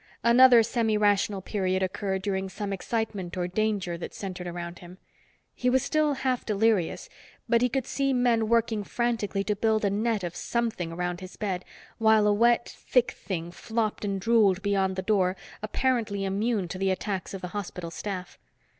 Another semirational period occurred during some excitement or danger that centered around him. He was still half delirious, but he could see men working frantically to build a net of something around his bed, while a wet, thick thing flopped and drooled beyond the door, apparently immune to the attacks of the hospital staff.